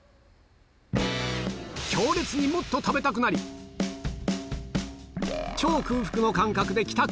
強烈にもっと食べたくなり、超空腹の感覚で帰宅。